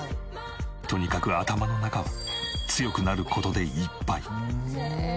とにかく頭の中は強くなる事でいっぱい。